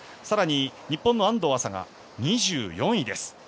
さらに日本の安藤麻が２４位です。